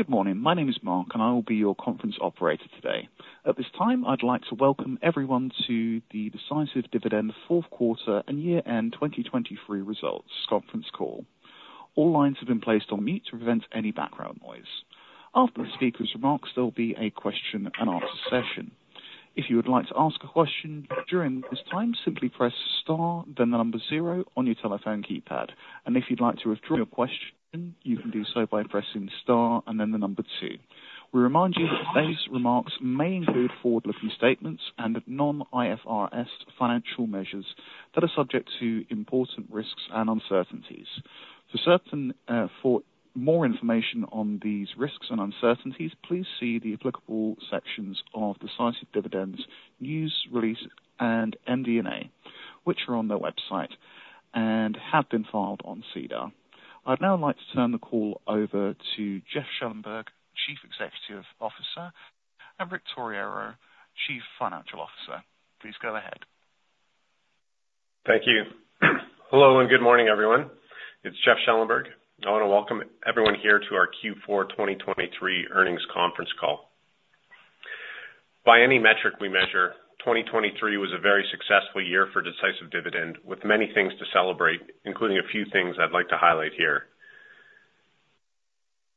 Good morning. My name is Mark, and I will be your conference operator today. At this time, I'd like to welcome everyone to the Decisive Dividend fourth quarter and year-end 2023 results conference call. All lines have been placed on mute to prevent any background noise. After the speaker's remarks, there'll be a question-and-answer session. If you would like to ask a question during this time, simply press star, then the number 0 on your telephone keypad. And if you'd like to withdraw your question, you can do so by pressing star and then the number 2. We remind you that today's remarks may include forward-looking statements and non-IFRS financial measures that are subject to important risks and uncertainties. For more information on these risks and uncertainties, please see the applicable sections of Decisive Dividend's News Release, and MD&A, which are on their website and have been filed on SEDAR. I'd now like to turn the call over to Jeff Schellenberg, Chief Executive Officer, and Rick Torriero, Chief Financial Officer. Please go ahead. Thank you. Hello and good morning, everyone. It's Jeff Schellenberg. I want to welcome everyone here to our Q4 2023 earnings conference call. By any metric we measure, 2023 was a very successful year for Decisive Dividend, with many things to celebrate, including a few things I'd like to highlight here.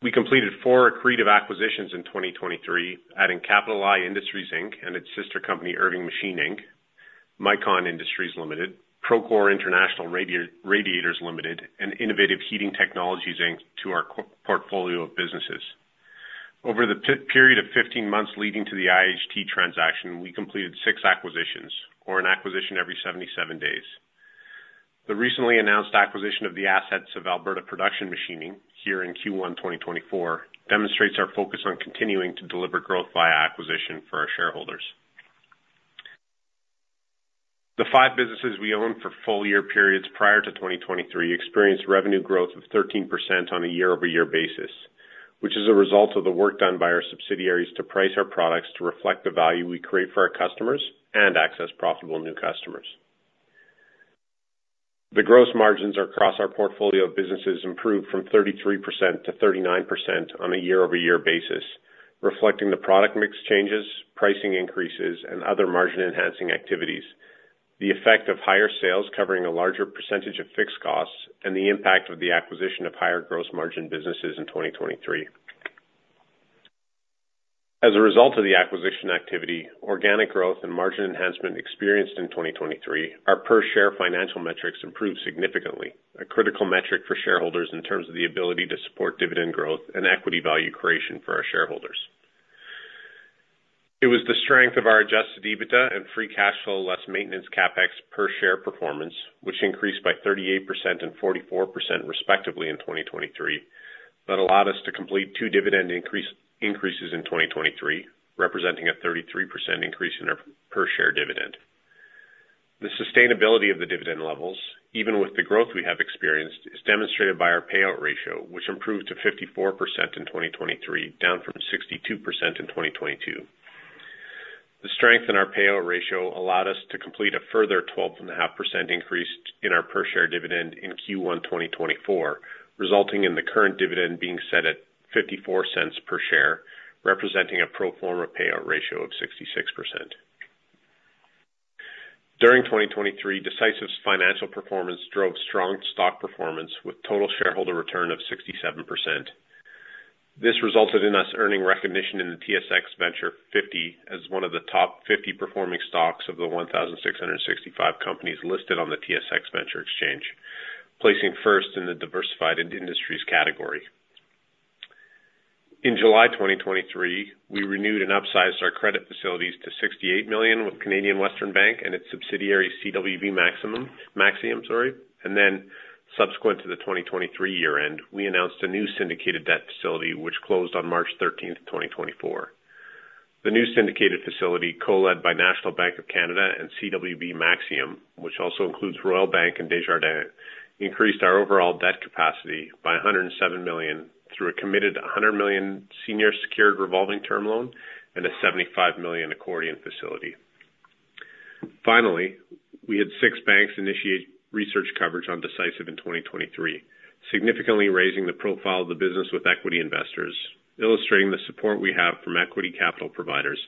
We completed four accretive acquisitions in 2023, adding Capital I Industries, Inc., and its sister company, Irving Machine, Inc., Micon Industries Limited, Procore International Radiators Limited, and Innovative Heating Technologies, Inc., to our portfolio of businesses. Over the period of 15 months leading to the IHT transaction, we completed six acquisitions, or an acquisition every 77 days. The recently announced acquisition of the assets of Alberta Production Machining here in Q1 2024 demonstrates our focus on continuing to deliver growth via acquisition for our shareholders. The five businesses we owned for full-year periods prior to 2023 experienced revenue growth of 13% on a year-over-year basis, which is a result of the work done by our subsidiaries to price our products to reflect the value we create for our customers and access profitable new customers. The gross margins across our portfolio of businesses improved from 33%-39% on a year-over-year basis, reflecting the product mix changes, pricing increases, and other margin-enhancing activities, the effect of higher sales covering a larger percentage of fixed costs, and the impact of the acquisition of higher gross margin businesses in 2023. As a result of the acquisition activity, organic growth and margin enhancement experienced in 2023, our per-share financial metrics improved significantly, a critical metric for shareholders in terms of the ability to support dividend growth and equity value creation for our shareholders. It was the strength of our Adjusted EBITDA and free cash flow less maintenance capex per share performance, which increased by 38% and 44% respectively in 2023, that allowed us to complete two dividend increases in 2023, representing a 33% increase in our per-share dividend. The sustainability of the dividend levels, even with the growth we have experienced, is demonstrated by our payout ratio, which improved to 54% in 2023, down from 62% in 2022. The strength in our payout ratio allowed us to complete a further 12.5% increase in our per-share dividend in Q1 2024, resulting in the current dividend being set at 0.0054 per share, representing a pro forma payout ratio of 66%. During 2023, Decisive's financial performance drove strong stock performance with total shareholder return of 67%. This resulted in us earning recognition in the TSX Venture 50 as one of the top 50 performing stocks of the 1,665 companies listed on the TSX Venture Exchange, placing first in the diversified industries category. In July 2023, we renewed and upsized our credit facilities to 68 million with Canadian Western Bank and its subsidiary CWB Maxium, and then subsequent to the 2023 year-end, we announced a new syndicated debt facility, which closed on March 13th, 2024. The new syndicated facility, co-led by National Bank of Canada and CWB Maxium, which also includes Royal Bank of Canada and Desjardins Group, increased our overall debt capacity by 107 million through a committed 100 million senior secured revolving term loan and a 75 million accordion facility. Finally, we had six banks initiate research coverage on Decisive in 2023, significantly raising the profile of the business with equity investors, illustrating the support we have from equity capital providers,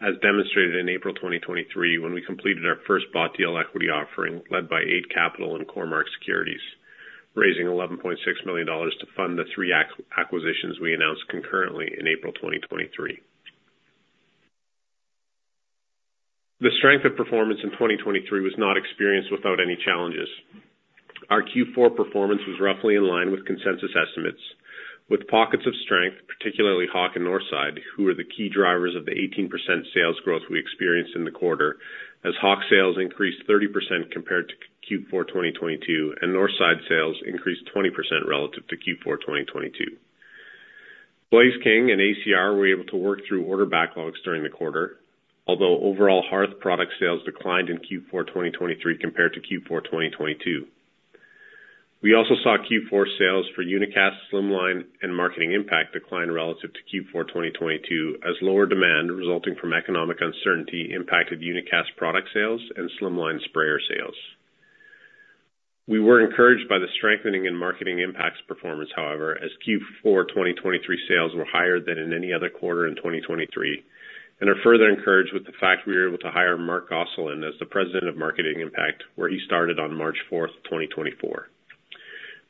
as demonstrated in April 2023 when we completed our first bought deal equity offering led by Eight Capital and Cormark Securities, raising 11.6 million dollars to fund the three acquisitions we announced concurrently in April 2023. The strength of performance in 2023 was not experienced without any challenges. Our Q4 performance was roughly in line with consensus estimates, with pockets of strength, particularly Hawk and Northside, who were the key drivers of the 18% sales growth we experienced in the quarter, as Hawk sales increased 30% compared to Q4 2022 and Northside sales increased 20% relative to Q4 2022. Blaze King and ACR were able to work through order backlogs during the quarter, although overall hearth product sales declined in Q4 2023 compared to Q4 2022. We also saw Q4 sales for Unicast, Slimline, and Marketing Impact decline relative to Q4 2022, as lower demand resulting from economic uncertainty impacted Unicast product sales and Slimline sprayer sales. We were encouraged by the strengthening in Marketing Impact's performance, however, as Q4 2023 sales were higher than in any other quarter in 2023 and are further encouraged with the fact we were able to hire Mark Gosselin as the President of Marketing Impact, where he started on March 4th, 2024.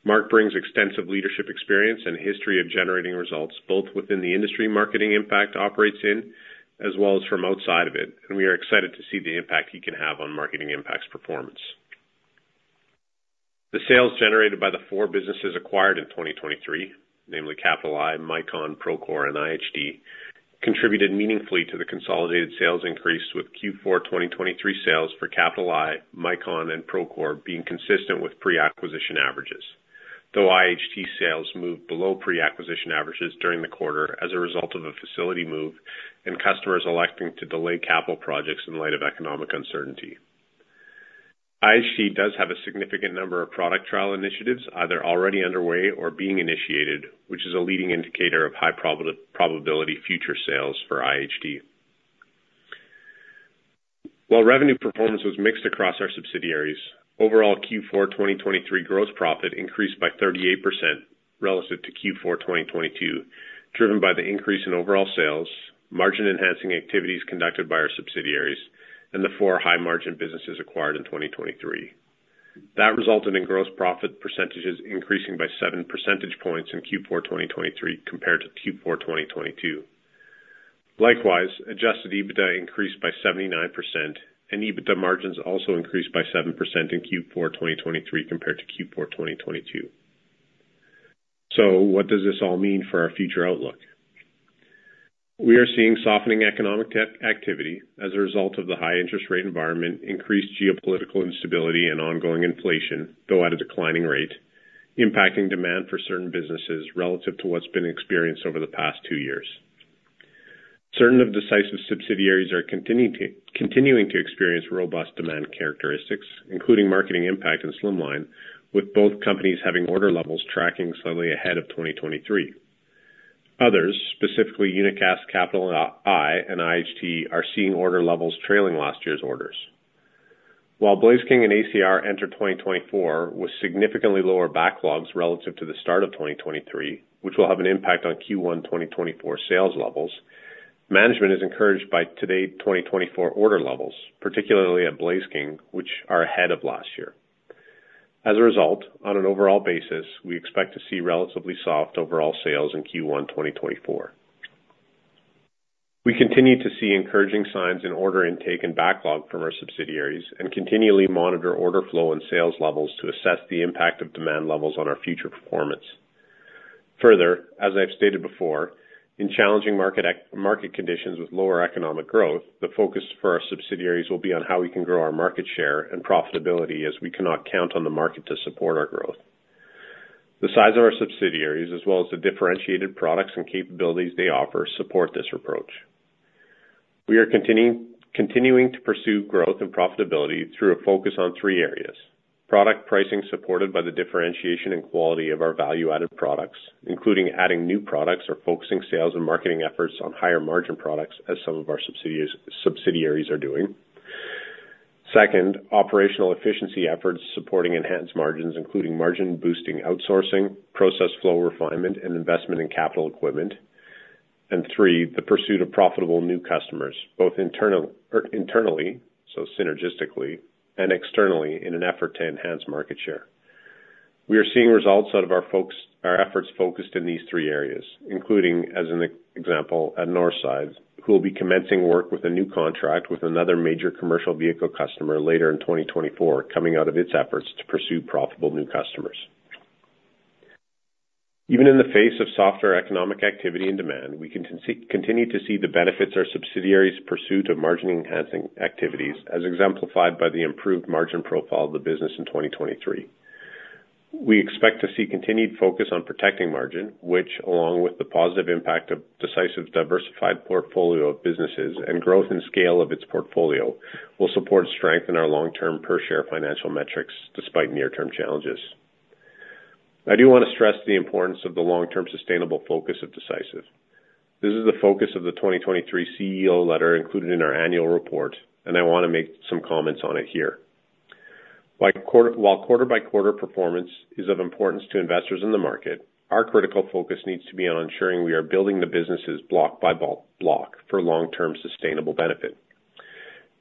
Mark brings extensive leadership experience and history of generating results both within the industry Marketing Impact operates in as well as from outside of it, and we are excited to see the impact he can have on Marketing Impact's performance. The sales generated by the four businesses acquired in 2023, namely Capital I, Micon, Procore, and IHT, contributed meaningfully to the consolidated sales increase with Q4 2023 sales for Capital I, Micon, and Procore being consistent with pre-acquisition averages, though IHT sales moved below pre-acquisition averages during the quarter as a result of a facility move and customers electing to delay capital projects in light of economic uncertainty. IHT does have a significant number of product trial initiatives either already underway or being initiated, which is a leading indicator of high probability future sales for IHT. While revenue performance was mixed across our subsidiaries, overall Q4 2023 gross profit increased by 38% relative to Q4 2022, driven by the increase in overall sales, margin-enhancing activities conducted by our subsidiaries, and the four high-margin businesses acquired in 2023. That resulted in gross profit percentages increasing by 7 percentage points in Q4 2023 compared to Q4 2022. Likewise, adjusted EBITDA increased by 79%, and EBITDA margins also increased by 7% in Q4 2023 compared to Q4 2022. So what does this all mean for our future outlook? We are seeing softening economic activity as a result of the high interest rate environment, increased geopolitical instability, and ongoing inflation, though at a declining rate, impacting demand for certain businesses relative to what's been experienced over the past two years. Certain of Decisive's subsidiaries are continuing to experience robust demand characteristics, including Marketing Impact and Slimline, with both companies having order levels tracking slightly ahead of 2023. Others, specifically Unicast, Capital I, and IHT, are seeing order levels trailing last year's orders. While Blaze King and ACR enter 2024 with significantly lower backlogs relative to the start of 2023, which will have an impact on Q1 2024 sales levels, management is encouraged by today's 2024 order levels, particularly at Blaze King, which are ahead of last year. As a result, on an overall basis, we expect to see relatively soft overall sales in Q1 2024. We continue to see encouraging signs in order intake and backlog from our subsidiaries and continually monitor order flow and sales levels to assess the impact of demand levels on our future performance. Further, as I've stated before, in challenging market conditions with lower economic growth, the focus for our subsidiaries will be on how we can grow our market share and profitability as we cannot count on the market to support our growth. The size of our subsidiaries, as well as the differentiated products and capabilities they offer, support this approach. We are continuing to pursue growth and profitability through a focus on three areas: product pricing supported by the differentiation and quality of our value-added products, including adding new products or focusing sales and marketing efforts on higher-margin products as some of our subsidiaries are doing. Second, operational efficiency efforts supporting enhanced margins, including margin-boosting outsourcing, process flow refinement, and investment in capital equipment. And three, the pursuit of profitable new customers, both internally, so synergistically, and externally in an effort to enhance market share. We are seeing results out of our efforts focused in these three areas, including, as an example, at Northside, who will be commencing work with a new contract with another major commercial vehicle customer later in 2024, coming out of its efforts to pursue profitable new customers. Even in the face of softer economic activity and demand, we can continue to see the benefits our subsidiaries pursue to margin-enhancing activities, as exemplified by the improved margin profile of the business in 2023. We expect to see continued focus on protecting margin, which, along with the positive impact of Decisive's diversified portfolio of businesses and growth in scale of its portfolio, will support strength in our long-term per-share financial metrics despite near-term challenges. I do want to stress the importance of the long-term sustainable focus of Decisive. This is the focus of the 2023 CEO letter included in our annual report, and I want to make some comments on it here. While quarter-by-quarter performance is of importance to investors in the market, our critical focus needs to be on ensuring we are building the businesses block by block for long-term sustainable benefit.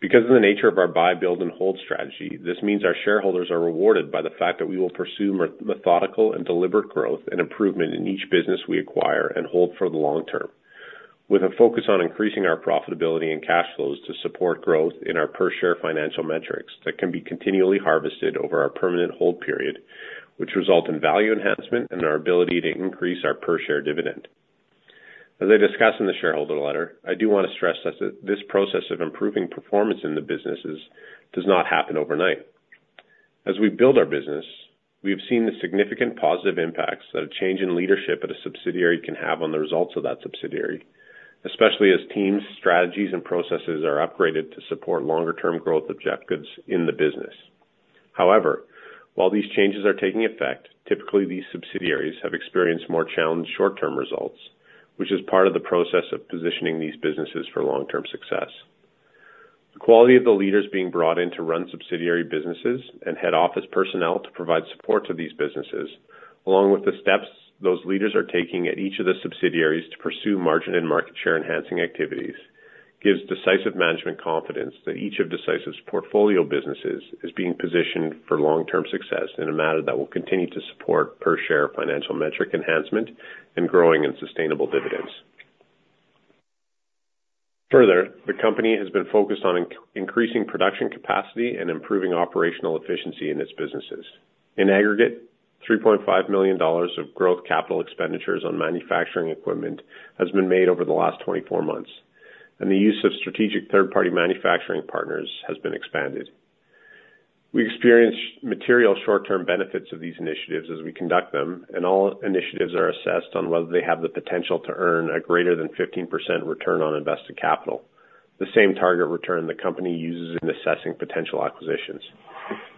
Because of the nature of our buy, build, and hold strategy, this means our shareholders are rewarded by the fact that we will pursue methodical and deliberate growth and improvement in each business we acquire and hold for the long term, with a focus on increasing our profitability and cash flows to support growth in our per-share financial metrics that can be continually harvested over our permanent hold period, which result in value enhancement and our ability to increase our per-share dividend. As I discussed in the shareholder letter, I do want to stress that this process of improving performance in the businesses does not happen overnight. As we build our business, we have seen the significant positive impacts that a change in leadership at a subsidiary can have on the results of that subsidiary, especially as teams, strategies, and processes are upgraded to support longer-term growth objectives in the business. However, while these changes are taking effect, typically these subsidiaries have experienced more challenged short-term results, which is part of the process of positioning these businesses for long-term success. The quality of the leaders being brought in to run subsidiary businesses and head office personnel to provide support to these businesses, along with the steps those leaders are taking at each of the subsidiaries to pursue margin and market share-enhancing activities, gives Decisive management confidence that each of Decisive's portfolio businesses is being positioned for long-term success in a manner that will continue to support per-share financial metric enhancement and growing in sustainable dividends. Further, the company has been focused on increasing production capacity and improving operational efficiency in its businesses. In aggregate, 3.5 million dollars of growth capital expenditures on manufacturing equipment has been made over the last 24 months, and the use of strategic third-party manufacturing partners has been expanded. We experience material short-term benefits of these initiatives as we conduct them, and all initiatives are assessed on whether they have the potential to earn a greater than 15% return on invested capital, the same target return the company uses in assessing potential acquisitions.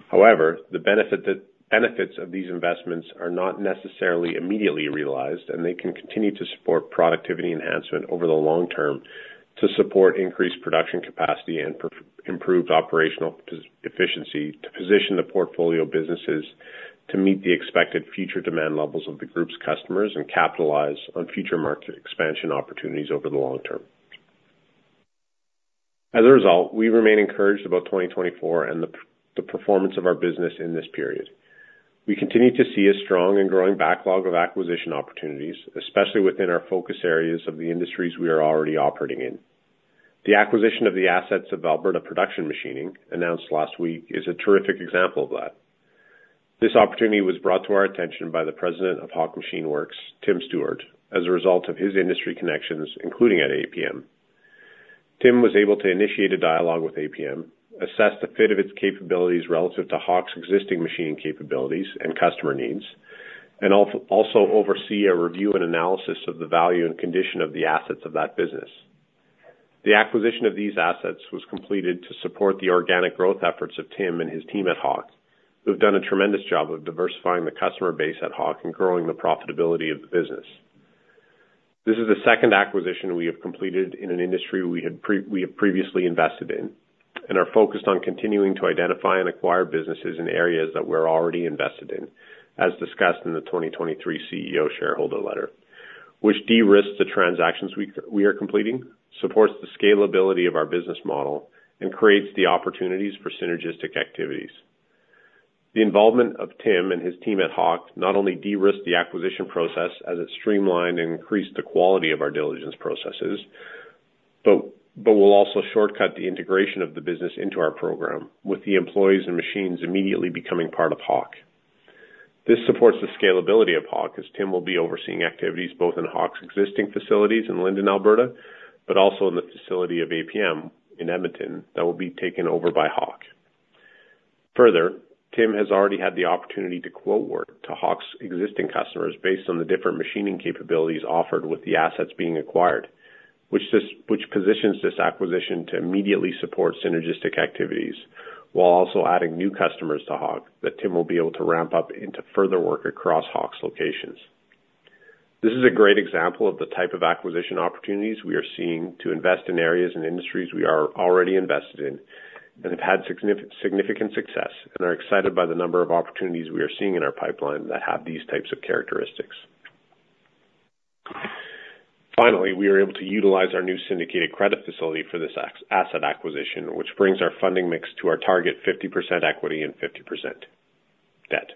However, the benefits of these investments are not necessarily immediately realized, and they can continue to support productivity enhancement over the long term to support increased production capacity and improved operational efficiency to position the portfolio businesses to meet the expected future demand levels of the group's customers and capitalize on future market expansion opportunities over the long term. As a result, we remain encouraged about 2024 and the performance of our business in this period. We continue to see a strong and growing backlog of acquisition opportunities, especially within our focus areas of the industries we are already operating in. The acquisition of the assets of Alberta Production Machining, announced last week, is a terrific example of that. This opportunity was brought to our attention by the President of Hawk Machine Works, Tim Stewart, as a result of his industry connections, including at M&A. Tim was able to initiate a dialogue with M&A, assess the fit of its capabilities relative to Hawk's existing machining capabilities and customer needs, and also oversee a review and analysis of the value and condition of the assets of that business. The acquisition of these assets was completed to support the organic growth efforts of Tim and his team at Hawk, who have done a tremendous job of diversifying the customer base at Hawk and growing the profitability of the business. This is the second acquisition we have completed in an industry we have previously invested in and are focused on continuing to identify and acquire businesses in areas that we're already invested in, as discussed in the 2023 CEO shareholder letter, which de-risks the transactions we are completing, supports the scalability of our business model, and creates the opportunities for synergistic activities. The involvement of Tim and his team at Hawk not only de-risked the acquisition process as it streamlined and increased the quality of our diligence processes but will also shortcut the integration of the business into our program, with the employees and machines immediately becoming part of Hawk. This supports the scalability of Hawk as Tim will be overseeing activities both in Hawk's existing facilities in Linden, Alberta, but also in the facility of APM in Edmonton that will be taken over by Hawk. Further, Tim has already had the opportunity to quote work to Hawk's existing customers based on the different machining capabilities offered with the assets being acquired, which positions this acquisition to immediately support synergistic activities while also adding new customers to Hawk that Tim will be able to ramp up into further work across Hawk's locations. This is a great example of the type of acquisition opportunities we are seeing to invest in areas and industries we are already invested in and have had significant success and are excited by the number of opportunities we are seeing in our pipeline that have these types of characteristics. Finally, we were able to utilize our new syndicated credit facility for this asset acquisition, which brings our funding mix to our target 50% equity and 50% debt.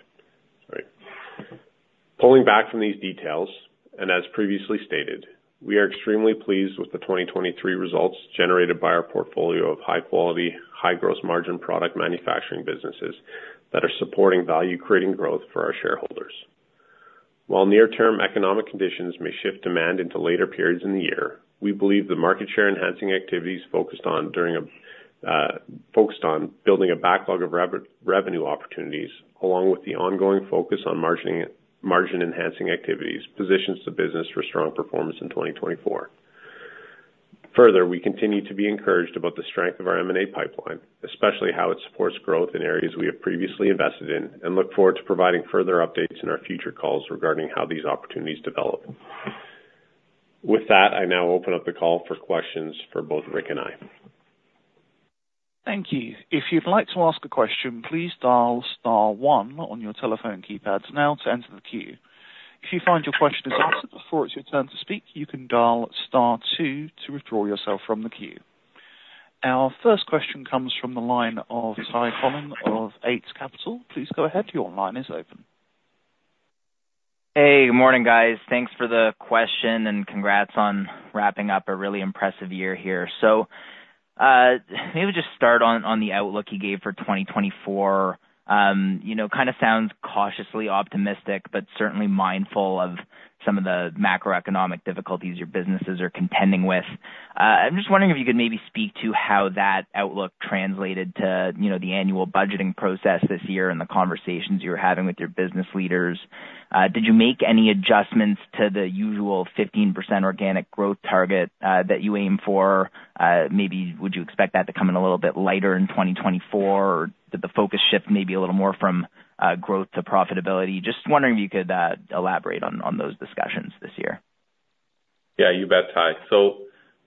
All right. Pulling back from these details and as previously stated, we are extremely pleased with the 2023 results generated by our portfolio of high-quality, high-growth margin product manufacturing businesses that are supporting value-creating growth for our shareholders. While near-term economic conditions may shift demand into later periods in the year, we believe the market share-enhancing activities focused on building a backlog of revenue opportunities, along with the ongoing focus on margin-enhancing activities, positions the business for strong performance in 2024. Further, we continue to be encouraged about the strength of our M&A pipeline, especially how it supports growth in areas we have previously invested in, and look forward to providing further updates in our future calls regarding how these opportunities develop. With that, I now open up the call for questions for both Rick and I. Thank you. If you'd like to ask a question, please dial star one on your telephone keypads now to enter the queue. If you find your question is answered before it's your turn to speak, you can dial star two to withdraw yourself from the queue. Our first question comes from the line of Ty Collin of Eight Capital. Please go ahead. Your line is open. Hey, good morning, guys. Thanks for the question and congrats on wrapping up a really impressive year here. So maybe we'll just start on the outlook he gave for 2024. Kind of sounds cautiously optimistic but certainly mindful of some of the macroeconomic difficulties your businesses are contending with. I'm just wondering if you could maybe speak to how that outlook translated to the annual budgeting process this year and the conversations you were having with your business leaders. Did you make any adjustments to the usual 15% organic growth target that you aim for? Maybe would you expect that to come in a little bit lighter in 2024, or did the focus shift maybe a little more from growth to profitability? Just wondering if you could elaborate on those discussions this year. Yeah, you bet, Ty. So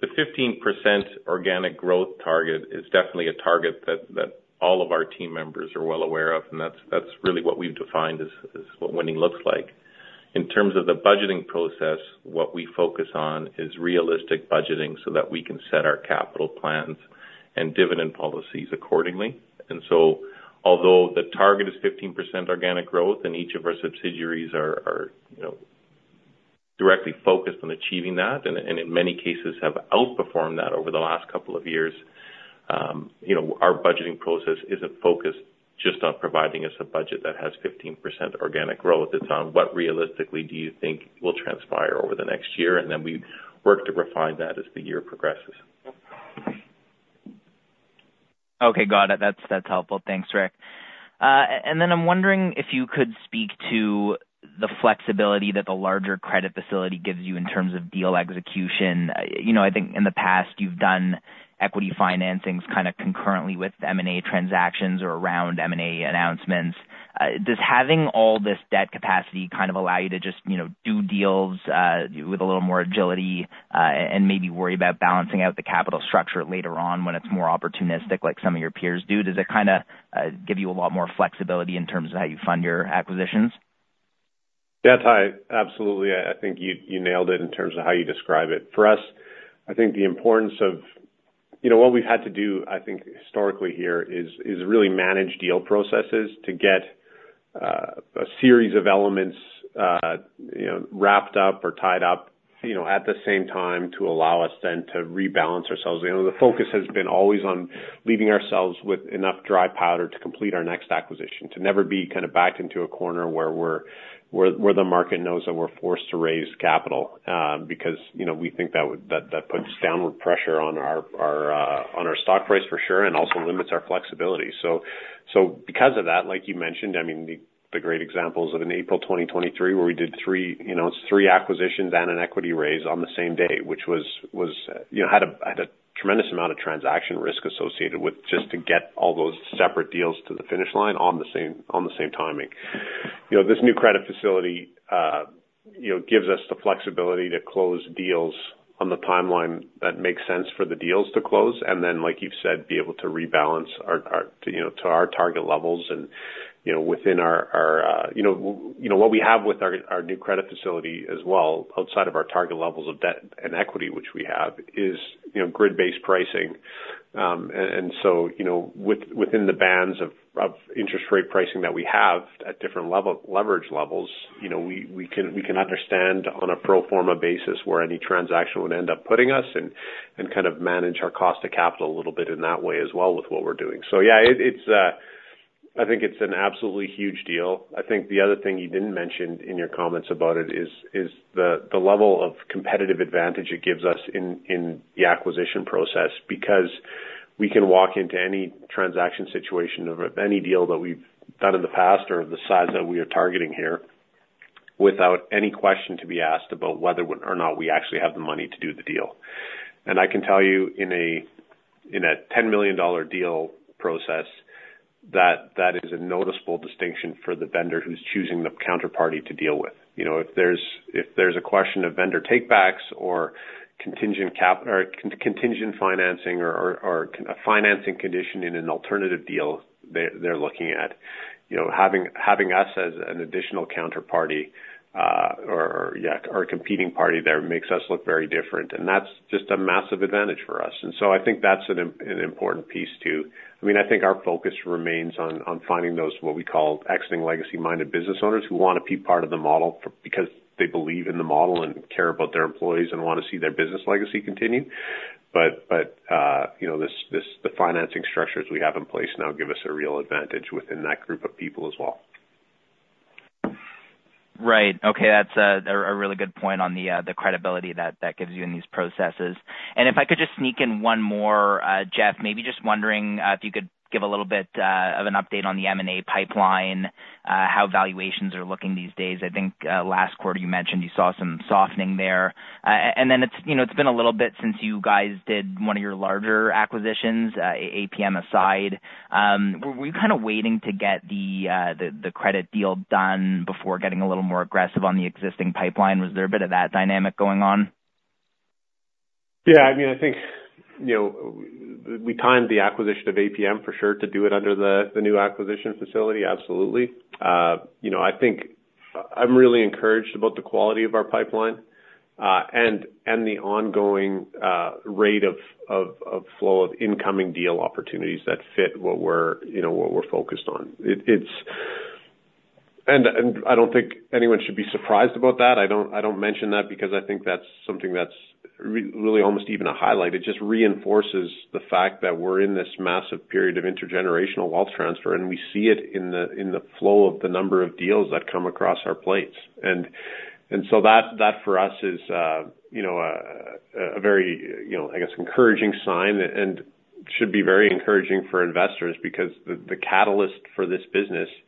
the 15% organic growth target is definitely a target that all of our team members are well aware of, and that's really what we've defined as what winning looks like. In terms of the budgeting process, what we focus on is realistic budgeting so that we can set our capital plans and dividend policies accordingly. So although the target is 15% organic growth and each of our subsidiaries are directly focused on achieving that and in many cases have outperformed that over the last couple of years, our budgeting process isn't focused just on providing us a budget that has 15% organic growth. It's on what realistically do you think will transpire over the next year, and then we work to refine that as the year progresses. Okay, got it. That's helpful. Thanks, Rick. And then I'm wondering if you could speak to the flexibility that the larger credit facility gives you in terms of deal execution. I think in the past, you've done equity financings kind of concurrently with M&A transactions or around M&A announcements. Does having all this debt capacity kind of allow you to just do deals with a little more agility and maybe worry about balancing out the capital structure later on when it's more opportunistic like some of your peers do? Does it kind of give you a lot more flexibility in terms of how you fund your acquisitions? Yeah, Ty, absolutely. I think you nailed it in terms of how you describe it. For us, I think the importance of what we've had to do, I think, historically here is really manage deal processes to get a series of elements wrapped up or tied up at the same time to allow us then to rebalance ourselves. The focus has been always on leaving ourselves with enough dry powder to complete our next acquisition, to never be kind of backed into a corner where the market knows that we're forced to raise capital because we think that puts downward pressure on our stock price for sure and also limits our flexibility. So because of that, like you mentioned, I mean, the great examples of in April 2023 where we did three, it's three, acquisitions and an equity raise on the same day, which had a tremendous amount of transaction risk associated with just to get all those separate deals to the finish line on the same timing. This new credit facility gives us the flexibility to close deals on the timeline that makes sense for the deals to close and then, like you've said, be able to rebalance to our target levels and within our, what we have with our new credit facility as well, outside of our target levels of debt and equity, which we have, is grid-based pricing. And so within the bands of interest rate pricing that we have at different leverage levels, we can understand on a pro forma basis where any transaction would end up putting us, and kind of manage our cost of capital a little bit in that way as well with what we're doing. So yeah, I think it's an absolutely huge deal. I think the other thing you didn't mention in your comments about it is the level of competitive advantage it gives us in the acquisition process because we can walk into any transaction situation of any deal that we've done in the past or the size that we are targeting here without any question to be asked about whether or not we actually have the money to do the deal. I can tell you in a 10 million dollar deal process, that is a noticeable distinction for the vendor who's choosing the counterparty to deal with. If there's a question of vendor take-backs or contingent financing or a financing condition in an alternative deal they're looking at, having us as an additional counterparty or competing party there makes us look very different, and that's just a massive advantage for us. So I think that's an important piece too. I mean, I think our focus remains on finding those what we call exiting legacy-minded business owners who want to be part of the model because they believe in the model and care about their employees and want to see their business legacy continue. But the financing structures we have in place now give us a real advantage within that group of people as well. Right. Okay, that's a really good point on the credibility that gives you in these processes. And if I could just sneak in one more, Jeff, maybe just wondering if you could give a little bit of an update on the M&A pipeline, how valuations are looking these days. I think last quarter, you mentioned you saw some softening there. And then it's been a little bit since you guys did one of your larger acquisitions, APM aside. Were you kind of waiting to get the credit deal done before getting a little more aggressive on the existing pipeline? Was there a bit of that dynamic going on? Yeah, I mean, I think we timed the acquisition of APM for sure to do it under the new acquisition facility. Absolutely. I think I'm really encouraged about the quality of our pipeline and the ongoing rate of flow of incoming deal opportunities that fit what we're focused on. I don't think anyone should be surprised about that. I don't mention that because I think that's something that's really almost even a highlight. It just reinforces the fact that we're in this massive period of intergenerational wealth transfer, and we see it in the flow of the number of deals that come across our plates. So that, for us, is a very, I guess, encouraging sign and should be very encouraging for investors because the catalyst for this business is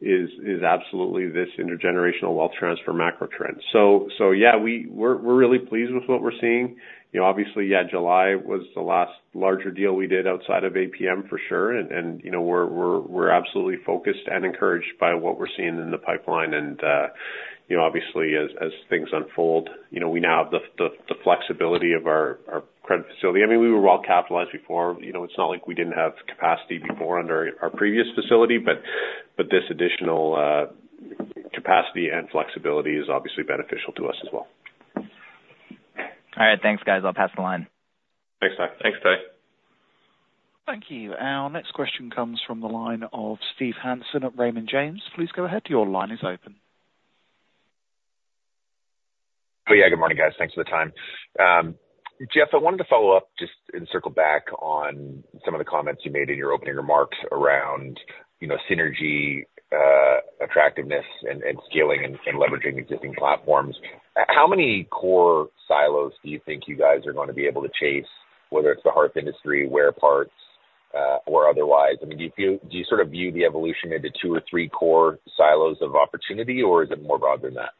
absolutely this intergenerational wealth transfer macro trend. So yeah, we're really pleased with what we're seeing. Obviously, yeah, July was the last larger deal we did outside of APM for sure, and we're absolutely focused and encouraged by what we're seeing in the pipeline. Obviously, as things unfold, we now have the flexibility of our credit facility. I mean, we were well capitalized before. It's not like we didn't have capacity before under our previous facility, but this additional capacity and flexibility is obviously beneficial to us as well. All right. Thanks, guys. I'll pass the line. Thanks, Ty. Thanks, Ty. Thank you. Our next question comes from the line of Steve Hansen at Raymond James. Please go ahead. Your line is open. Oh, yeah. Good morning, guys. Thanks for the time. Jeff, I wanted to follow up just and circle back on some of the comments you made in your opening remarks around synergy, attractiveness, and scaling and leveraging existing platforms. How many core silos do you think you guys are going to be able to chase, whether it's the hearth industry, wear parts, or otherwise? I mean, do you sort of view the evolution into two or three core silos of opportunity, or is it more broad than that?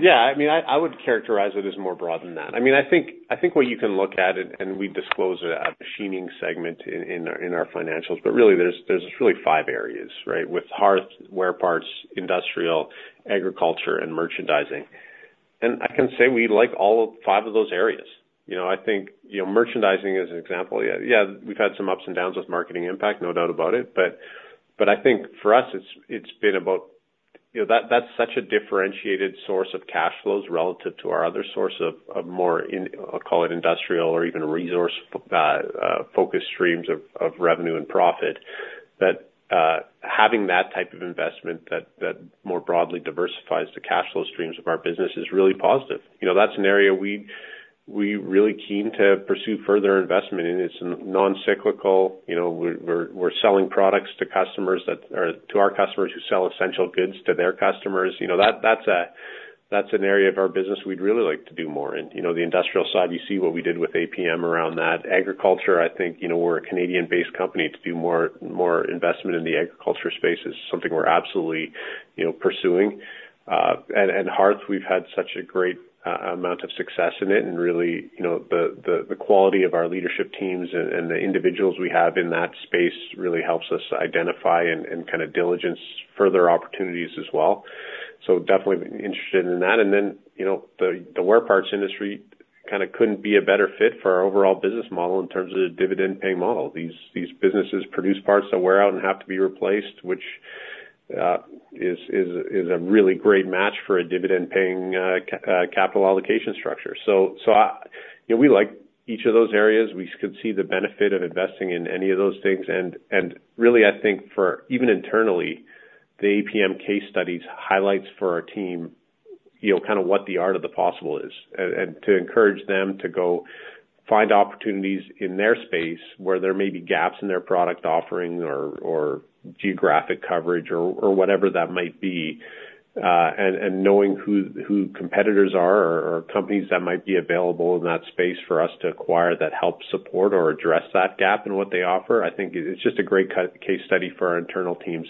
Yeah, I mean, I would characterize it as more broad than that. I mean, I think what you can look at, and we disclose it at the machining segment in our financials, but really, there's really five areas, right, with hearth, wear parts, industrial, agriculture, and merchandising. I can say we like all five of those areas. I think merchandising is an example. Yeah, we've had some ups and downs with Marketing Impact, no doubt about it. I think for us, it's been about that's such a differentiated source of cash flows relative to our other source of more, I'll call it, industrial or even resource-focused streams of revenue and profit that having that type of investment that more broadly diversifies the cash flow streams of our business is really positive. That's an area we're really keen to pursue further investment in. It's non-cyclical. We're selling products to customers that are to our customers who sell essential goods to their customers. That's an area of our business we'd really like to do more in. The industrial side, you see what we did with APM around that. Agriculture, I think we're a Canadian-based company. To do more investment in the agriculture space is something we're absolutely pursuing. And hearth, we've had such a great amount of success in it, and really, the quality of our leadership teams and the individuals we have in that space really helps us identify and kind of diligence further opportunities as well. So definitely interested in that. And then the wear parts industry kind of couldn't be a better fit for our overall business model in terms of the dividend-paying model. These businesses produce parts that wear out and have to be replaced, which is a really great match for a dividend-paying capital allocation structure. So we like each of those areas. We could see the benefit of investing in any of those things. And really, I think even internally, the APM case studies highlight for our team kind of what the art of the possible is and to encourage them to go find opportunities in their space where there may be gaps in their product offering or geographic coverage or whatever that might be. Knowing who competitors are or companies that might be available in that space for us to acquire that help support or address that gap in what they offer, I think it's just a great case study for our internal teams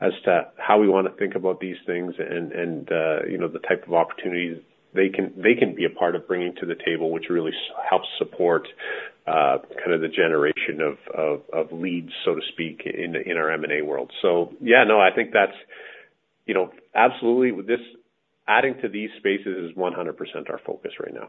as to how we want to think about these things and the type of opportunities they can be a part of bringing to the table, which really helps support kind of the generation of leads, so to speak, in our M&A world. So yeah, no, I think that's absolutely adding to these spaces is 100% our focus right now.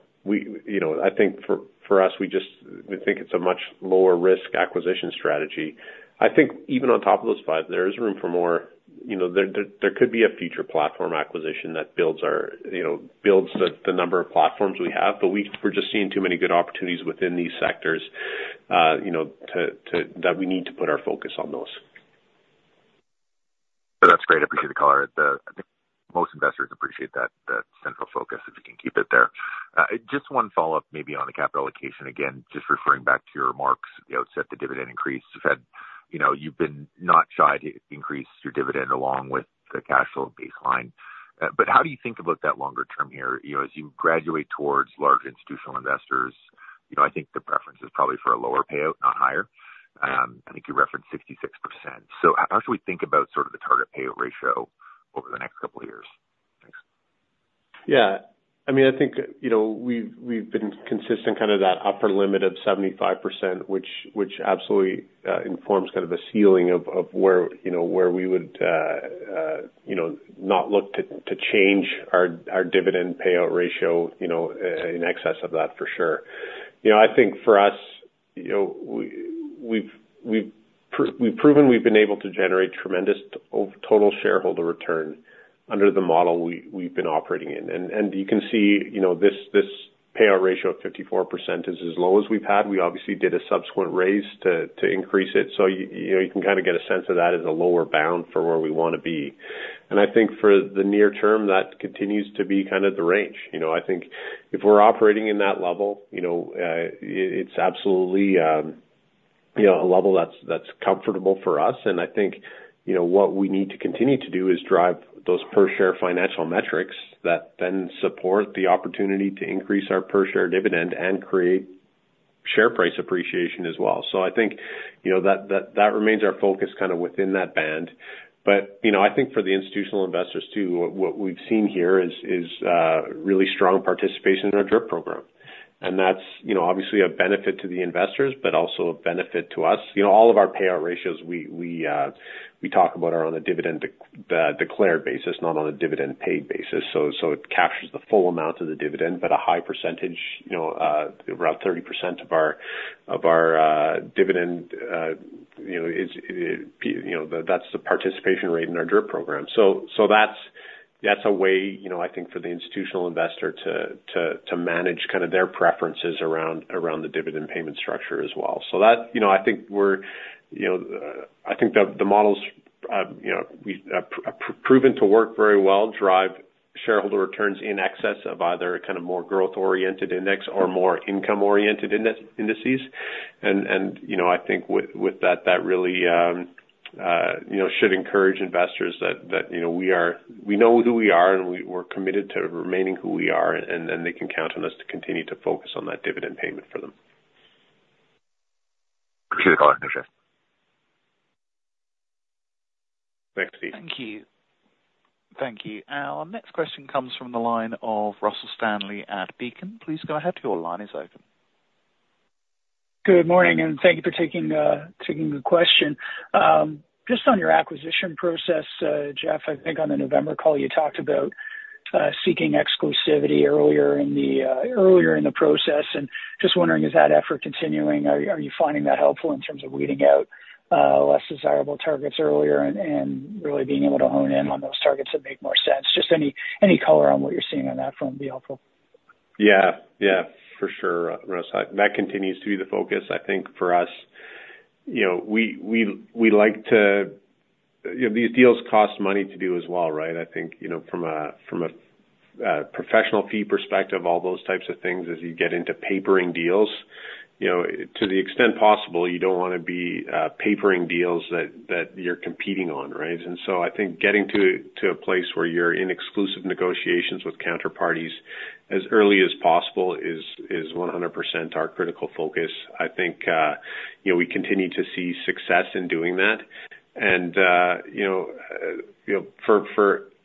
I think for us, we think it's a much lower-risk acquisition strategy. I think even on top of those five, there is room for more. There could be a future platform acquisition that builds the number of platforms we have, but we're just seeing too many good opportunities within these sectors that we need to put our focus on those. That's great. Appreciate the color. I think most investors appreciate that central focus if you can keep it there. Just one follow-up maybe on the capital allocation. Again, just referring back to your remarks, the outset, the dividend increase, you've been not shy to increase your dividend along with the cash flow baseline. But how do you think about that longer term here? As you graduate towards larger institutional investors, I think the preference is probably for a lower payout, not higher. I think you referenced 66%. So how should we think about sort of the target payout ratio over the next couple of years? Thanks. Yeah. I mean, I think we've been consistent kind of that upper limit of 75%, which absolutely informs kind of the ceiling of where we would not look to change our dividend payout ratio in excess of that for sure. I think for us, we've proven we've been able to generate tremendous total shareholder return under the model we've been operating in. And you can see this payout ratio of 54% is as low as we've had. We obviously did a subsequent raise to increase it. So you can kind of get a sense of that as a lower bound for where we want to be. And I think for the near term, that continues to be kind of the range. I think if we're operating in that level, it's absolutely a level that's comfortable for us. I think what we need to continue to do is drive those per-share financial metrics that then support the opportunity to increase our per-share dividend and create share price appreciation as well. So I think that remains our focus kind of within that band. But I think for the institutional investors too, what we've seen here is really strong participation in our drip program. And that's obviously a benefit to the investors, but also a benefit to us. All of our payout ratios, we talk about are on a dividend declared basis, not on a dividend paid basis. So it captures the full amount of the dividend, but a high percentage, around 30% of our dividend, that's the participation rate in our DRIP program. So that's a way, I think, for the institutional investor to manage kind of their preferences around the dividend payment structure as well. So, I think the models have proven to work very well, drive shareholder returns in excess of either kind of more growth-oriented index or more income-oriented indices. I think with that, that really should encourage investors that we know who we are, and we're committed to remaining who we are, and then they can count on us to continue to focus on that dividend payment for them. Appreciate the call. Thanks, Jeff. Thanks, Steve. Thank you. Thank you. Our next question comes from the line of Russell Stanley at Beacon. Please go ahead. Your line is open. Good morning, and thank you for taking the question. Just on your acquisition process, Jeff, I think on the November call, you talked about seeking exclusivity earlier in the process. Just wondering, is that effort continuing? Are you finding that helpful in terms of weeding out less desirable targets earlier and really being able to hone in on those targets that make more sense? Just any color on what you're seeing on that front would be helpful. Yeah. Yeah, for sure, Russell. That continues to be the focus, I think, for us. We like to these deals cost money to do as well, right? I think from a professional fee perspective, all those types of things, as you get into papering deals, to the extent possible, you don't want to be papering deals that you're competing on, right? And so I think getting to a place where you're in exclusive negotiations with counterparties as early as possible is 100% our critical focus. I think we continue to see success in doing that. And for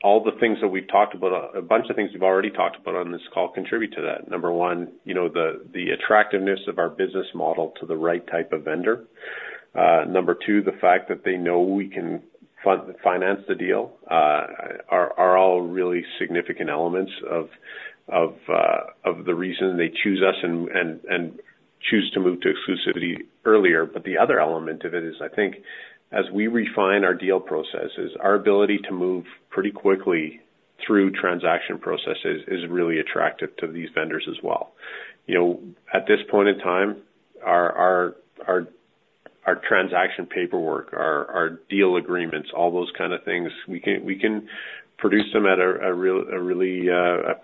all the things that we've talked about, a bunch of things we've already talked about on this call contribute to that. Number one, the attractiveness of our business model to the right type of vendor. Number two, the fact that they know we can finance the deal are all really significant elements of the reason they choose us and choose to move to exclusivity earlier. But the other element of it is, I think, as we refine our deal processes, our ability to move pretty quickly through transaction processes is really attractive to these vendors as well. At this point in time, our transaction paperwork, our deal agreements, all those kind of things, we can produce them at a really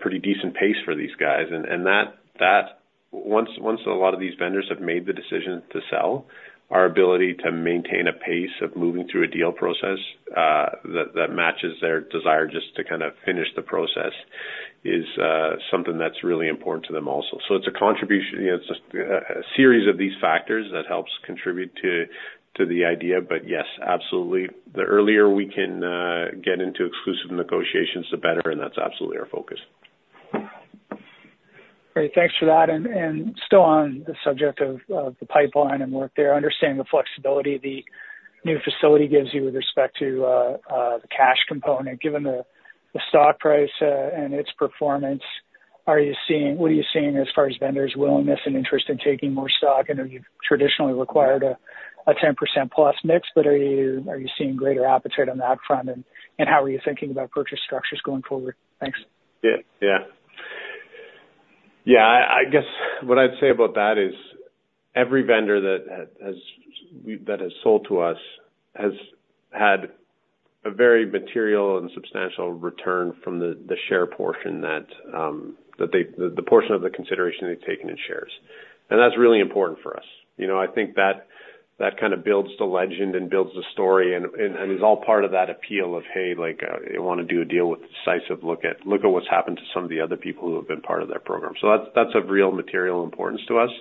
pretty decent pace for these guys. Once a lot of these vendors have made the decision to sell, our ability to maintain a pace of moving through a deal process that matches their desire just to kind of finish the process is something that's really important to them also. It's a contribution, it's just a series of these factors that helps contribute to the idea. But yes, absolutely, the earlier we can get into exclusive negotiations, the better, and that's absolutely our focus. Great. Thanks for that. Still on the subject of the pipeline and work there, understanding the flexibility the new facility gives you with respect to the cash component, given the stock price and its performance, what are you seeing as far as vendors' willingness and interest in taking more stock? I know you've traditionally required a 10%-plus mix, but are you seeing greater appetite on that front? And how are you thinking about purchase structures going forward? Thanks. Yeah. Yeah. Yeah. I guess what I'd say about that is every vendor that has sold to us has had a very material and substantial return from the share portion that the portion of the consideration they've taken in shares. And that's really important for us. I think that kind of builds the legend and builds the story and is all part of that appeal of, "Hey, I want to do a deal with Decisive. Look at what's happened to some of the other people who have been part of that program." So that's of real material importance to us.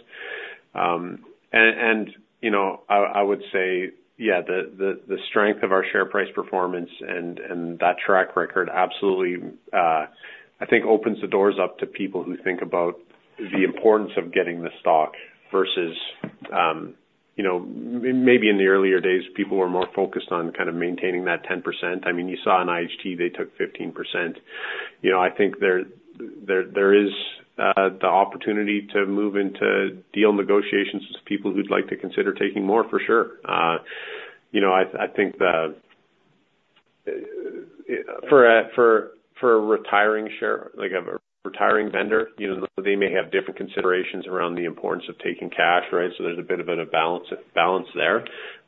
And I would say, yeah, the strength of our share price performance and that track record absolutely, I think, opens the doors up to people who think about the importance of getting the stock versus maybe in the earlier days, people were more focused on kind of maintaining that 10%. I mean, you saw in IHT, they took 15%. I think there is the opportunity to move into deal negotiations with people who'd like to consider taking more, for sure. I think for a retiring share of a retiring vendor, they may have different considerations around the importance of taking cash, right? So there's a bit of a balance there.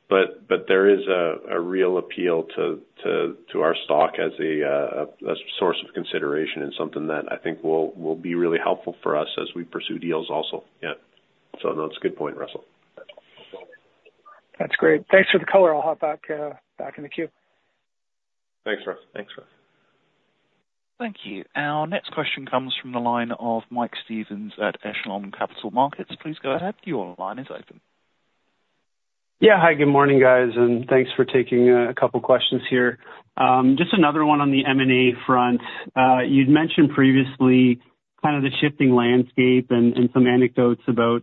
But there is a real appeal to our stock as a source of consideration and something that I think will be really helpful for us as we pursue deals also. Yeah. So no, it's a good point, Russell. That's great. Thanks for the color. I'll hop back in the queue. Thanks, Russell. Thanks, Russell. Thank you. Our next question comes from the line of Mike Stevens at Echelon Capital Markets. Please go ahead. Your line is open. Yeah. Hi. Good morning, guys, and thanks for taking a couple of questions here. Just another one on the M&A front. You'd mentioned previously kind of the shifting landscape and some anecdotes about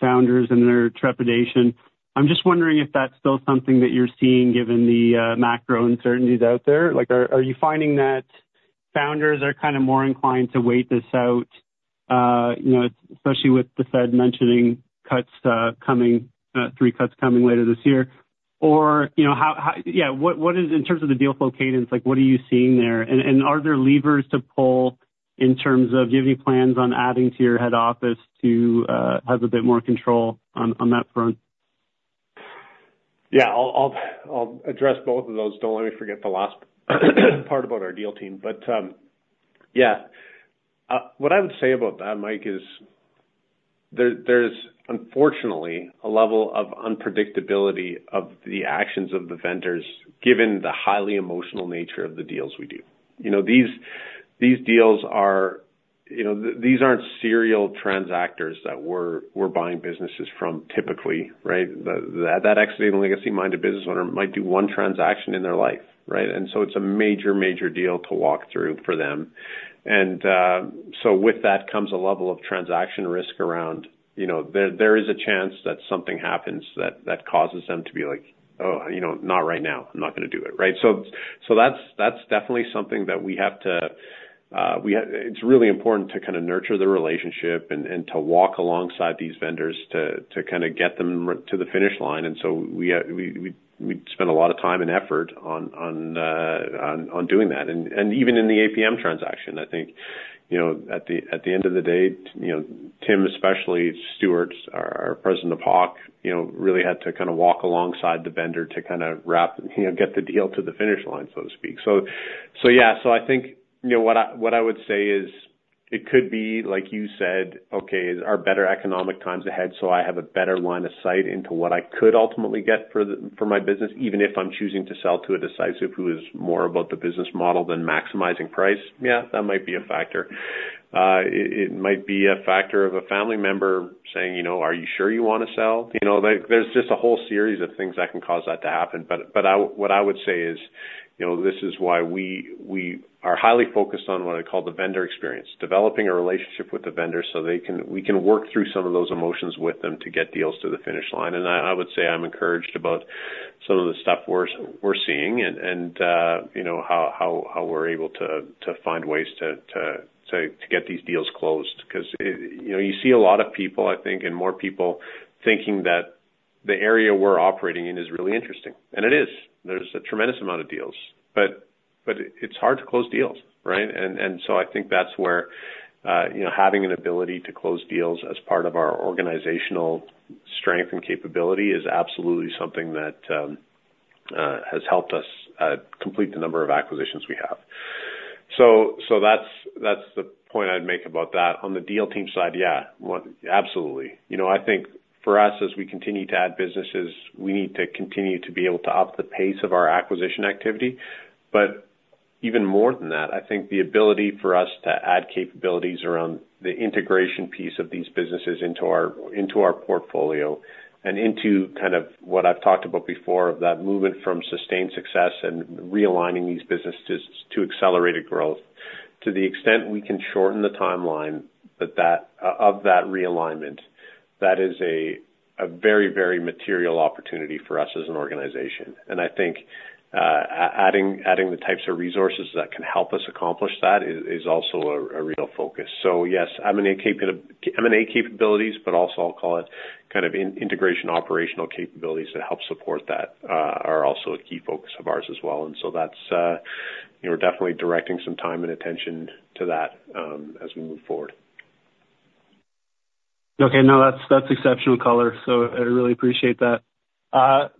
founders and their trepidation. I'm just wondering if that's still something that you're seeing given the macro uncertainties out there. Are you finding that founders are kind of more inclined to wait this out, especially with the Fed mentioning three cuts coming later this year? Or yeah, in terms of the deal flow cadence, what are you seeing there? And are there levers to pull in terms of do you have any plans on adding to your head office to have a bit more control on that front? Yeah. I'll address both of those. Don't let me forget the last part about our deal team. But yeah, what I would say about that, Mike, is there's, unfortunately, a level of unpredictability of the actions of the vendors given the highly emotional nature of the deals we do. These deals are these aren't serial transactors that we're buying businesses from typically, right? That exiting legacy-minded business owner might do one transaction in their life, right? And so with that comes a level of transaction risk around there is a chance that something happens that causes them to be like, "Oh, not right now. I'm not going to do it," right? So that's definitely something that we have to. It's really important to kind of nurture the relationship and to walk alongside these vendors to kind of get them to the finish line. And so we spend a lot of time and effort on doing that. And even in the APM transaction, I think at the end of the day, Tim, especially, Stewart, our President of Hawk, really had to kind of walk alongside the vendor to kind of get the deal to the finish line, so to speak. So yeah. So I think what I would say is it could be, like you said, "Okay, are better economic times ahead so I have a better line of sight into what I could ultimately get for my business, even if I'm choosing to sell to a Decisive who is more about the business model than maximizing price?" Yeah, that might be a factor. It might be a factor of a family member saying, "Are you sure you want to sell?" There's just a whole series of things that can cause that to happen. But what I would say is this is why we are highly focused on what I call the vendor experience, developing a relationship with the vendor so we can work through some of those emotions with them to get deals to the finish line. I would say I'm encouraged about some of the stuff we're seeing and how we're able to find ways to get these deals closed because you see a lot of people, I think, and more people thinking that the area we're operating in is really interesting. It is. There's a tremendous amount of deals. It's hard to close deals, right? So I think that's where having an ability to close deals as part of our organizational strength and capability is absolutely something that has helped us complete the number of acquisitions we have. That's the point I'd make about that. On the deal team side, yeah, absolutely. I think for us, as we continue to add businesses, we need to continue to be able to up the pace of our acquisition activity. But even more than that, I think the ability for us to add capabilities around the integration piece of these businesses into our portfolio and into kind of what I've talked about before of that movement from sustained success and realigning these businesses to accelerated growth, to the extent we can shorten the timeline of that realignment, that is a very, very material opportunity for us as an organization. And I think adding the types of resources that can help us accomplish that is also a real focus. So yes, M&A capabilities, but also I'll call it kind of integration operational capabilities that help support that are also a key focus of ours as well. And so we're definitely directing some time and attention to that as we move forward. Okay. No, that's exceptional color. So I really appreciate that.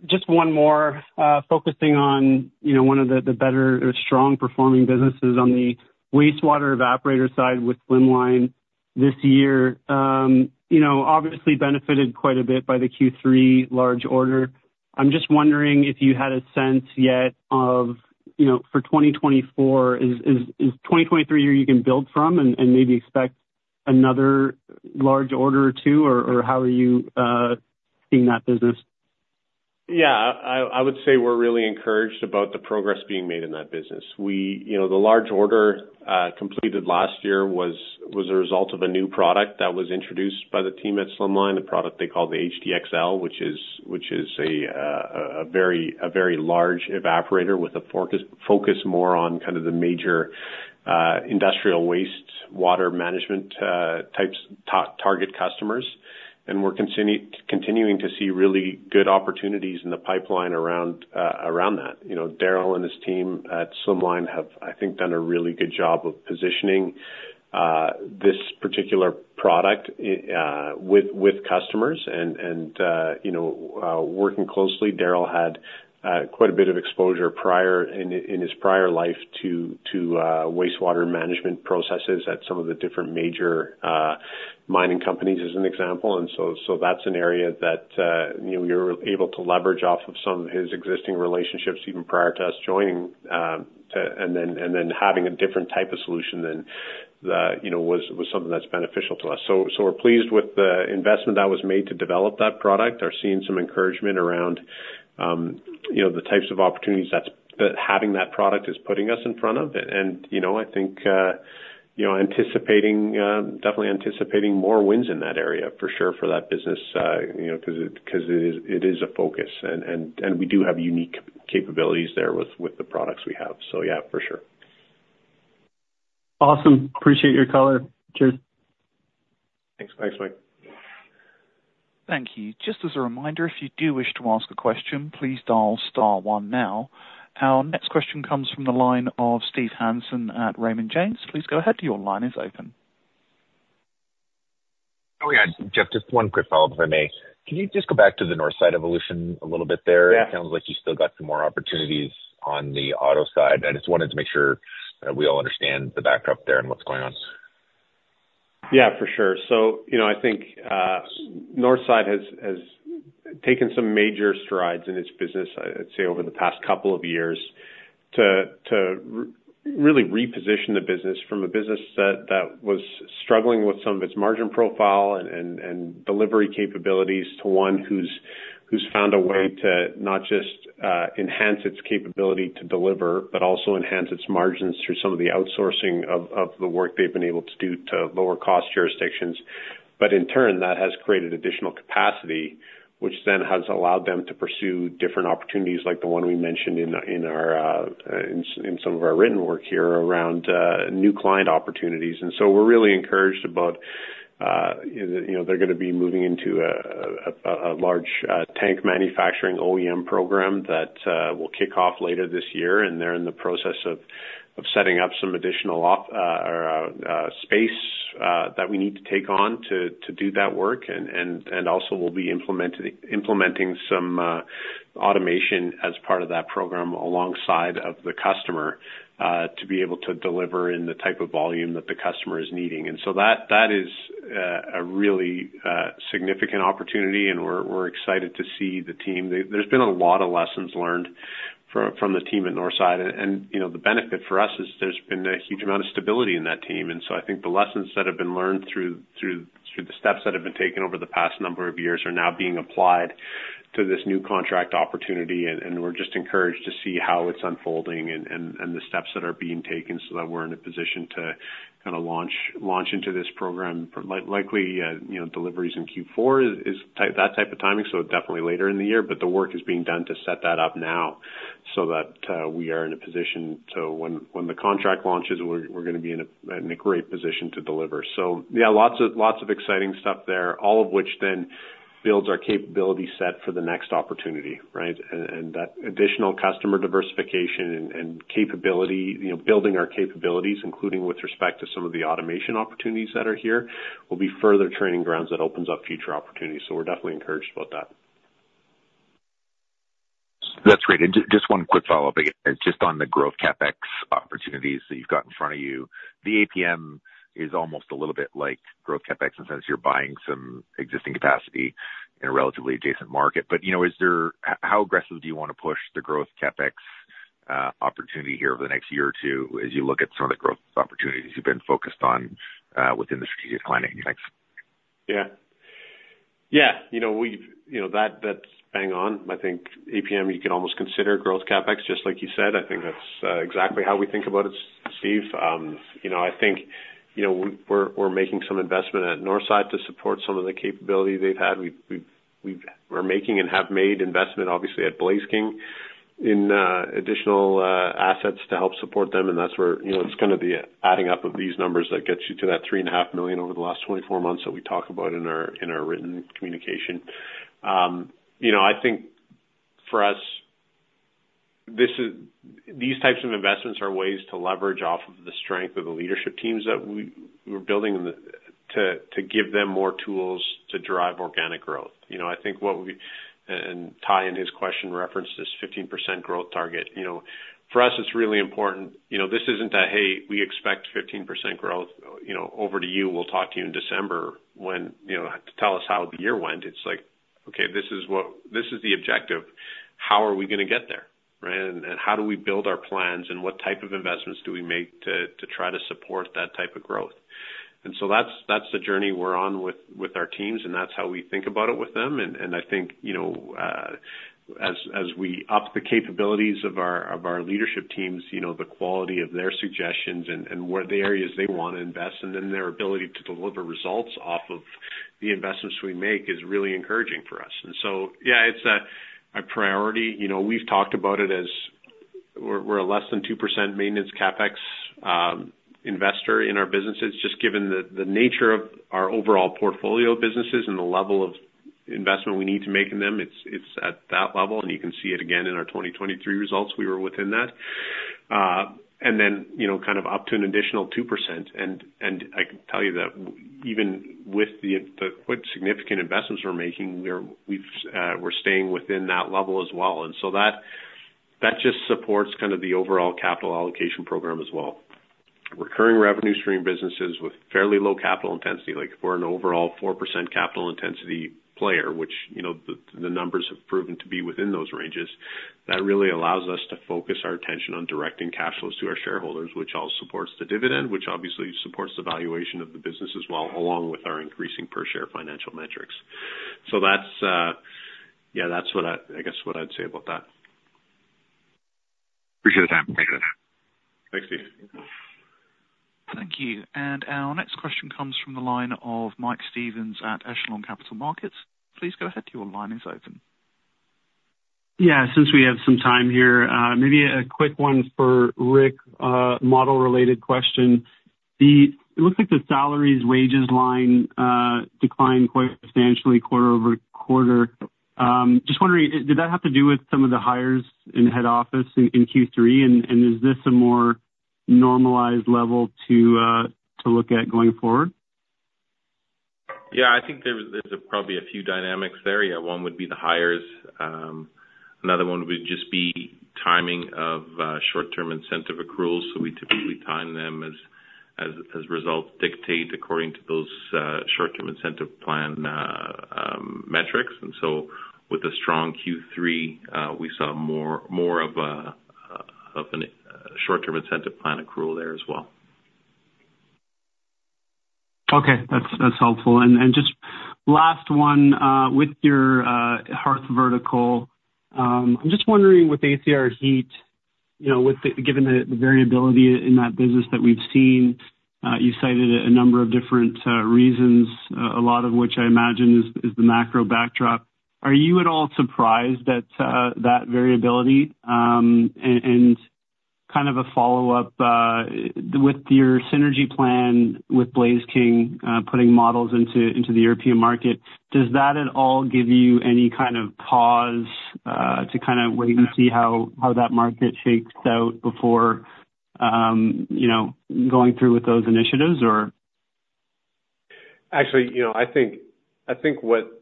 Just one more, focusing on one of the better, strong-performing businesses on the wastewater evaporator side with Slimline this year, obviously benefited quite a bit by the Q3 large order. I'm just wondering if you had a sense yet of, for 2024, is 2023 a year you can build from and maybe expect another large order or two? Or how are you seeing that business? Yeah. I would say we're really encouraged about the progress being made in that business. The large order completed last year was a result of a new product that was introduced by the team at Slimline, a product they call the HDXL, which is a very large evaporator with a focus more on kind of the major industrial wastewater management target customers. And we're continuing to see really good opportunities in the pipeline around that. Daryl and his team at Slimline have, I think, done a really good job of positioning this particular product with customers and working closely. Daryl had quite a bit of exposure in his prior life to wastewater management processes at some of the different major mining companies, as an example. And so that's an area that we were able to leverage off of some of his existing relationships even prior to us joining and then having a different type of solution than was something that's beneficial to us. So we're pleased with the investment that was made to develop that product. We're seeing some encouragement around the types of opportunities that having that product is putting us in front of. And I think definitely anticipating more wins in that area, for sure, for that business because it is a focus. And we do have unique capabilities there with the products we have. So yeah, for sure. Awesome. Appreciate your color, Terry. Thanks. Thanks, Mike. Thank you. Just as a reminder, if you do wish to ask a question, please dial star one now. Our next question comes from the line of Steve Hansen at Raymond James. Please go ahead. Your line is open. Oh, yeah. Jeff, just one quick follow-up, if I may. Can you just go back to the Northside evolution a little bit there? It sounds like you still got some more opportunities on the auto side. I just wanted to make sure that we all understand the backdrop there and what's going on. Yeah, for sure. So I think Northside has taken some major strides in its business, I'd say, over the past couple of years to really reposition the business from a business that was struggling with some of its margin profile and delivery capabilities to one who's found a way to not just enhance its capability to deliver but also enhance its margins through some of the outsourcing of the work they've been able to do to lower-cost jurisdictions. But in turn, that has created additional capacity, which then has allowed them to pursue different opportunities like the one we mentioned in some of our written work here around new client opportunities. And so we're really encouraged about they're going to be moving into a large tank manufacturing OEM program that will kick off later this year. They're in the process of setting up some additional space that we need to take on to do that work. Also, we'll be implementing some automation as part of that program alongside of the customer to be able to deliver in the type of volume that the customer is needing. So that is a really significant opportunity, and we're excited to see the team. There's been a lot of lessons learned from the team at Northside. The benefit for us is there's been a huge amount of stability in that team. So I think the lessons that have been learned through the steps that have been taken over the past number of years are now being applied to this new contract opportunity. We're just encouraged to see how it's unfolding and the steps that are being taken so that we're in a position to kind of launch into this program. Likely, deliveries in Q4 is that type of timing. So definitely later in the year. But the work is being done to set that up now so that we are in a position so when the contract launches, we're going to be in a great position to deliver. So yeah, lots of exciting stuff there, all of which then builds our capability set for the next opportunity, right? And that additional customer diversification and building our capabilities, including with respect to some of the automation opportunities that are here, will be further training grounds that opens up future opportunities. So we're definitely encouraged about that. That's great. And just one quick follow-up again, just on the growth CapEx opportunities that you've got in front of you, the APM is almost a little bit like growth CapEx in the sense you're buying some existing capacity in a relatively adjacent market. But how aggressive do you want to push the growth CapEx opportunity here over the next year or two as you look at some of the growth opportunities you've been focused on within the strategic client engine? Yeah. Yeah. That's bang on. I think APM, you could almost consider growth CapEx, just like you said. I think that's exactly how we think about it, Steve. I think we're making some investment at Northside to support some of the capability they've had. We're making and have made investment, obviously, at Blaze King in additional assets to help support them. And that's where it's kind of the adding up of these numbers that gets you to that 3.5 million over the last 24 months that we talk about in our written communication. I think for us, these types of investments are ways to leverage off of the strength of the leadership teams that we're building to give them more tools to drive organic growth. I think what we and Ty in his question referenced this 15% growth target. For us, it's really important. This isn't a, "Hey, we expect 15% growth. Over to you. We'll talk to you in December," to tell us how the year went. It's like, "Okay, this is the objective. How are we going to get there, right? And how do we build our plans, and what type of investments do we make to try to support that type of growth?" And so that's the journey we're on with our teams, and that's how we think about it with them. And I think as we up the capabilities of our leadership teams, the quality of their suggestions and the areas they want to invest, and then their ability to deliver results off of the investments we make is really encouraging for us. And so yeah, it's a priority. We've talked about it as we're a less than 2% maintenance CapEx investor in our businesses. Just given the nature of our overall portfolio of businesses and the level of investment we need to make in them, it's at that level. You can see it again in our 2023 results. We were within that. Then kind of up to an additional 2%. I can tell you that even with the significant investments we're making, we're staying within that level as well. So that just supports kind of the overall capital allocation program as well. Recurring revenue stream businesses with fairly low capital intensity, like if we're an overall 4% capital intensity player, which the numbers have proven to be within those ranges, that really allows us to focus our attention on directing cash flows to our shareholders, which all supports the dividend, which obviously supports the valuation of the business as well, along with our increasing per-share financial metrics. Yeah, that's, I guess, what I'd say about that. Appreciate the time. Thank you. Thanks, Steve. Thank you. And our next question comes from the line of Mike Stephens at Echelon Capital Markets. Please go ahead. Your line is open. Yeah. Since we have some time here, maybe a quick one for Rick, model-related question. It looks like the salaries, wages line declined quite substantially quarter-over-quarter. Just wondering, did that have to do with some of the hires in head office in Q3? And is this a more normalized level to look at going forward? Yeah. I think there's probably a few dynamics there. Yeah. One would be the hires. Another one would just be timing of short-term incentive accruals. So we typically time them as results dictate according to those short-term incentive plan metrics. And so with a strong Q3, we saw more of a short-term incentive plan accrual there as well. Okay. That's helpful. And just last one with your hearth vertical. I'm just wondering, with ACR Heat, given the variability in that business that we've seen, you cited a number of different reasons, a lot of which I imagine is the macro backdrop. Are you at all surprised at that variability? And kind of a follow-up, with your synergy plan with Blaze King putting models into the European market, does that at all give you any kind of pause to kind of wait and see how that market shakes out before going through with those initiatives, or? Actually, I think what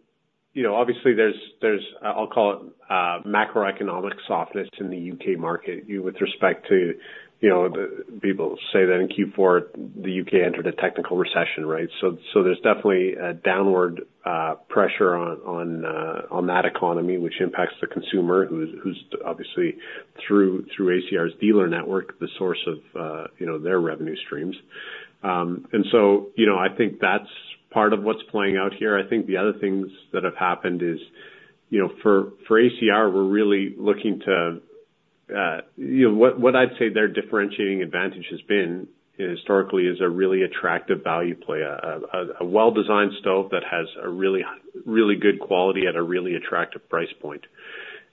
obviously, there's, I'll call it, macroeconomic softness in the U.K. market with respect to people say that in Q4, the U.K. entered a technical recession, right? So there's definitely a downward pressure on that economy, which impacts the consumer who's, obviously, through ACR's dealer network, the source of their revenue streams. And so I think that's part of what's playing out here. I think the other things that have happened is for ACR, we're really looking to what I'd say their differentiating advantage has been historically is a really attractive value play, a well-designed stove that has a really good quality at a really attractive price point.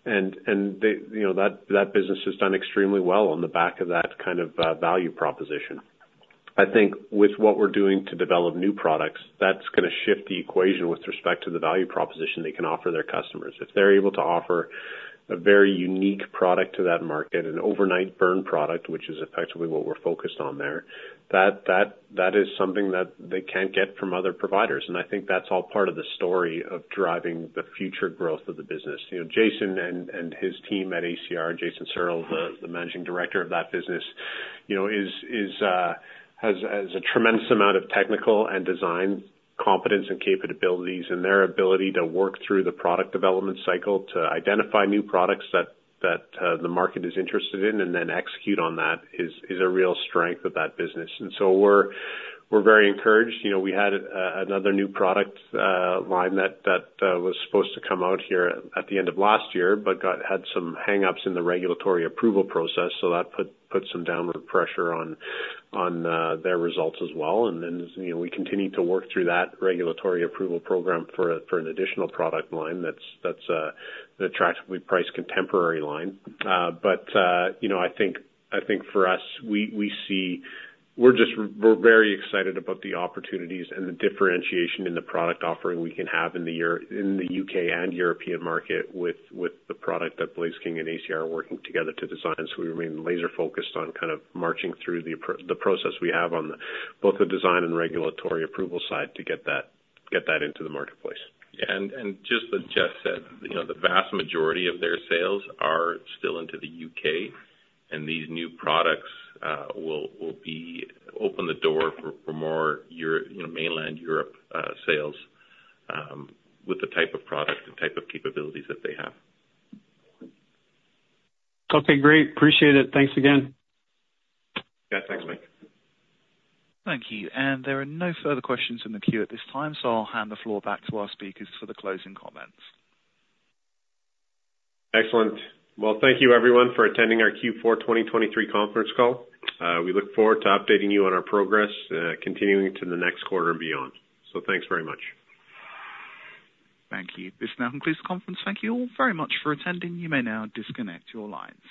And that business has done extremely well on the back of that kind of value proposition. I think with what we're doing to develop new products, that's going to shift the equation with respect to the value proposition they can offer their customers. If they're able to offer a very unique product to that market, an overnight-burn product, which is effectively what we're focused on there, that is something that they can't get from other providers. And I think that's all part of the story of driving the future growth of the business. Jason and his team at ACR, Jason Searle, the managing director of that business, has a tremendous amount of technical and design competence and capabilities. And their ability to work through the product development cycle to identify new products that the market is interested in and then execute on that is a real strength of that business. And so we're very encouraged. We had another new product line that was supposed to come out here at the end of last year but had some hang-ups in the regulatory approval process. That put some downward pressure on their results as well. Then we continue to work through that regulatory approval program for an additional product line that's an attractively priced contemporary line. I think for us, we're very excited about the opportunities and the differentiation in the product offering we can have in the U.K. and European market with the product that Blaze King and ACR are working together to design. We remain laser-focused on kind of marching through the process we have on both the design and regulatory approval side to get that into the marketplace. Yeah. Just what Jeff said, the vast majority of their sales are still into the U.K. These new products will open the door for more mainland Europe sales with the type of product and type of capabilities that they have. Okay. Great. Appreciate it. Thanks again. Yeah. Thanks, Mike. Thank you. There are no further questions in the queue at this time, so I'll hand the floor back to our speakers for the closing comments. Excellent. Well, thank you, everyone, for attending our Q4 2023 conference call. We look forward to updating you on our progress continuing to the next quarter and beyond. Thanks very much. Thank you. This now concludes the conference. Thank you all very much for attending. You may now disconnect your lines.